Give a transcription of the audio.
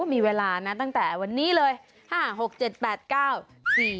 มีเวลานะตั้งแต่วันนี้เลย๕๖๗๘๙๔วันนะคุณผู้ชม